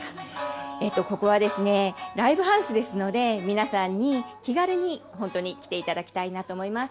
ここはライブハウスですので、皆さんに気軽に本当に来ていただきたいなと思います。